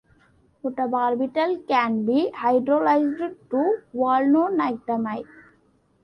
Butabarbital can be hydrolyzed to Valnoctamide.